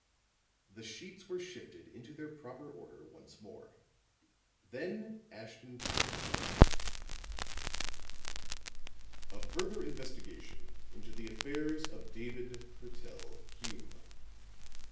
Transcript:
The sheets were shifted into their proper order once more. Then Ashton Kirk read: "'A Further Investigation into the Affairs of David Purtell Hume.